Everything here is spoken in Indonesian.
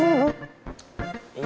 ini inherit ya bu